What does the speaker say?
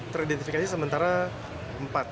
teridentifikasi sementara empat